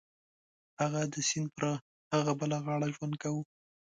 هغه د سیند پر هغه بله غاړه ژوند کاوه.